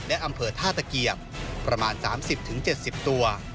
และอำเภอท่าตะเกียบประมาณ๓๐๗๐ตัว